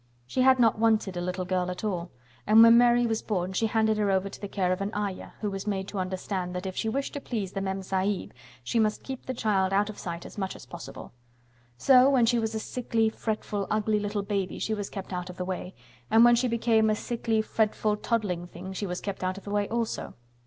She had not wanted a little girl at all, and when Mary was born she handed her over to the care of an Ayah, who was made to understand that if she wished to please the Mem Sahib she must keep the child out of sight as much as possible. So when she was a sickly, fretful, ugly little baby she was kept out of the way, and when she became a sickly, fretful, toddling thing she was kept out of the way also.